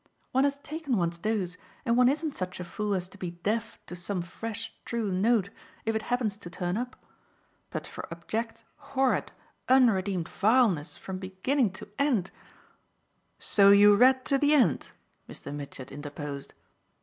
"One has taken one's dose and one isn't such a fool as to be deaf to some fresh true note if it happens to turn up. But for abject horrid unredeemed vileness from beginning to end " "So you read to the end?" Mr. Mitchett interposed.